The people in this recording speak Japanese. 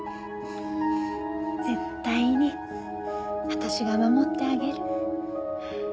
絶対に私が守ってあげる。